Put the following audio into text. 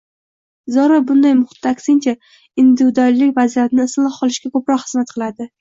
Zero, bunday muhitda aksincha – individuallik vaziyatni isloh qilishga ko‘proq xizmat qiladi.